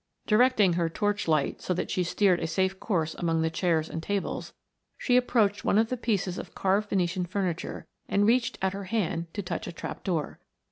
Directing her torch light so that she steered a safe course among the chairs and tables, she approached one of the pieces of carved Venetian furniture and reached out her hand to touch a trap door.